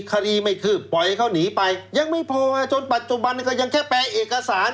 คดีไม่คืบปล่อยให้เขาหนีไปยังไม่พอจนปัจจุบันก็ยังแค่แปลเอกสาร